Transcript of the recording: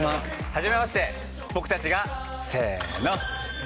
はじめまして僕たちがせの。